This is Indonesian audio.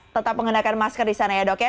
tetap menggunakan masker di sana ya dok ya